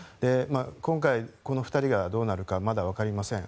今回、この２人がどうなるかまだわかりません。